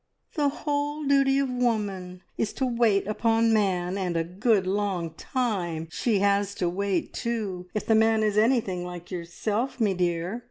"The whole duty of woman is to wait upon man! and a good long time she has to wait too, if the man is anything like yourself, me dear!